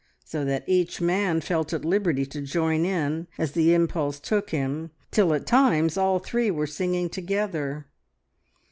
so that each man felt at liberty to join in as the impulse took him, till at times all three were singing together.